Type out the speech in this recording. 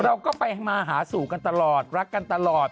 เราก็ไปมาหาสู่กันตลอดรักกันตลอด